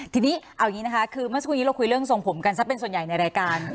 ทีนี้เอาอย่างนี้นะคะคือเมื่อสักครู่นี้เราคุยเรื่องทรงผมกันซะเป็นส่วนใหญ่ในรายการ